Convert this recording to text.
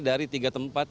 dari tiga tempat